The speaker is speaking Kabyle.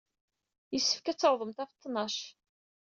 Yessefk ad tawḍemt ɣef ttnac.